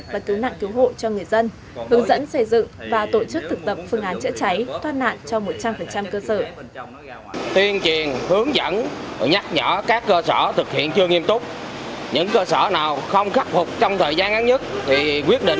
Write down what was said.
và cứu nạn cứu hộ cho người dân hướng dẫn xây dựng và tổ chức thực tập phương án chữa cháy